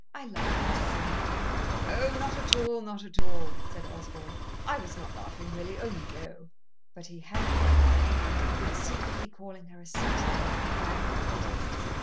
I like her so." "Oh! not at all, not all," said Osborn. "I was not laughing really; oh no!" But he had been, and had been secretly calling her a sentimental, ramping idiot.